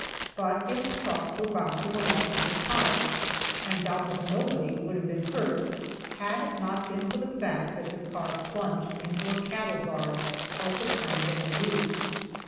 But its trucks went bouncing along on the ties, and doubtless nobody would have been hurt, had it not been for the fact that the car plunged into a cattle guard, of the kind then in use.